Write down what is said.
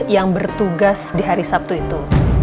yang bertugas di hari sabtu itu